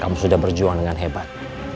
kamu sudah berjuang dengan hebat